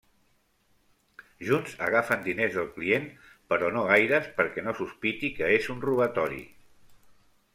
Junts, agafen diners del client, però no gaires perquè no sospiti que és un robatori.